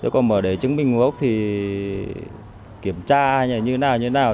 còn để chứng minh một gốc thì kiểm tra như thế nào như thế nào